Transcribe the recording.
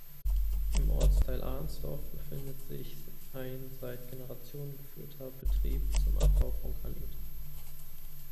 Im Ortsteil Arnsdorf befindet sich ein seit Generationen geführter Betrieb zum Abbau von Granit.